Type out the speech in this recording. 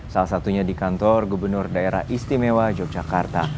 salah satunya di kantor gubernur daerah istimewa yogyakarta